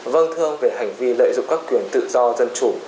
vâng thưa về hành vi lợi dụng các quyền tự do dân chủ